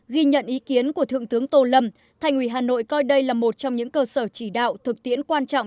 ghi nhận ý kiến của thượng tướng tô lâm thành ủy hà nội coi đây là một trong những cơ sở chỉ đạo thực tiễn quan trọng